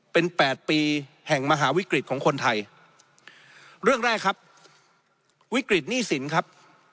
เป็นแปดปีแห่งมหาวิกฤตของคนไทยเรื่องแรกครับวิกฤตหนี้สินครับ